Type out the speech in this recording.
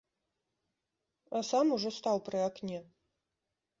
А сам ужо стаў пры акне.